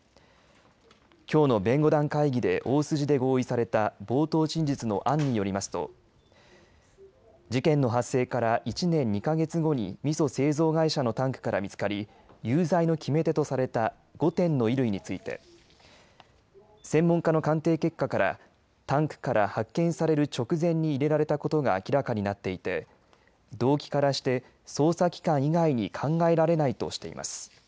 きょうの弁護団会議で大筋で合意された冒頭陳述の案によりますと事件の発生から１年２か月後にみそ製造会社のタンクから見つかり有罪の決め手とされた５点の衣類について専門家の鑑定結果からタンクから発見される直前に入れられたことが明らかになっていて動機からして捜査機関以外に考えられないとしています。